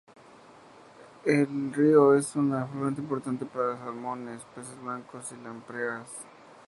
El río es un afluente importante para salmones, peces blancos y lampreas.